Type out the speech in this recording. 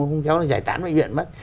không kéo được giải tán bệnh viện mất